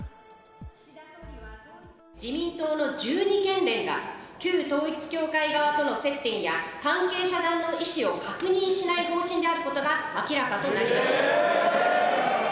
自民党の１２県連が、旧統一教会側との接点や、関係遮断の意思を確認しない方針であることが明らかとなりました。